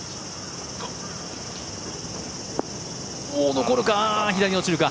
残るか？